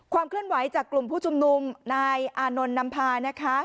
เคลื่อนไหวจากกลุ่มผู้ชุมนุมนายอานนท์นำพานะคะ